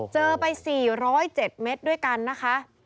เจอไป๔๐๗เมตรด้วยกันนะคะ